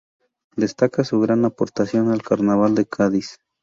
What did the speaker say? Destaca su gran aportación al Carnaval de Cádiz.